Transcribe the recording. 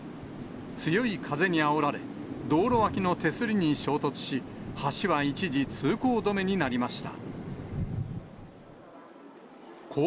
強い風にあおられ、道路脇の手すりに衝突し、橋は一時、通行止めになりました。